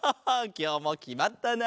きょうもきまったな。